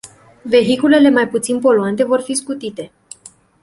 Vehiculele mai puțin poluante vor fi scutite.